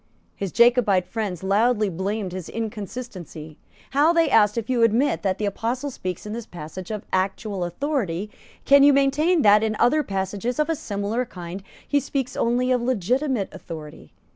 His Jacobite friends loudly blamed his inconsistency. How, they asked, if you admit that the Apostle speaks in this passage of actual authority, can you maintain that, in other passages of a similar kind, he speaks only of legitimate authority?